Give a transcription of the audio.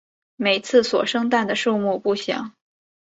每次所生蛋的数目不详。